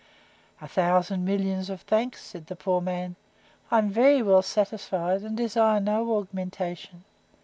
A thousand millions of thanks, said the poor man: I am very well satisfied, and desire no augmentation.